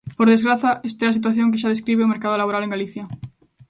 Por desgraza, esta é a situación que xa describe o mercado laboral en Galicia.